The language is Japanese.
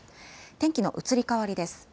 天気の移り変わりです。